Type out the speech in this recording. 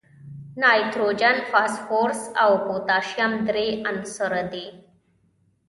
نایتروجن، فاسفورس او پوتاشیم درې عنصره دي.